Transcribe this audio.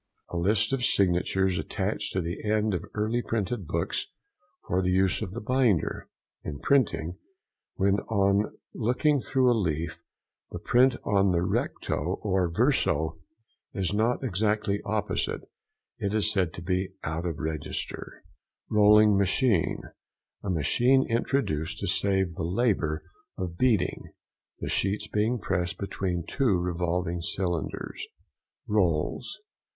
A list of signatures attached to the end of early printed books for the use of the binder. In printing—when on looking through a leaf the print on the recto and verso is not exactly opposite, it is said to be out of register. ROLLING MACHINE.—A machine introduced to save the labour of beating, the sheets being passed between two revolving cylinders. ROLLS.